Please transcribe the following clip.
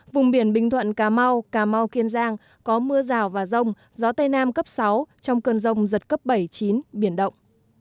vùng biển bình thuận cà mau cà mau kiên giang có mưa rào và rông gió tây nam cấp sáu trong cơn rông giật cấp bảy chín biển động